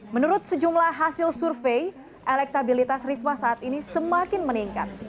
menurut sejumlah hasil survei elektabilitas risma saat ini semakin meningkat